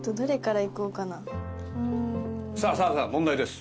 さあ澤部さん問題です。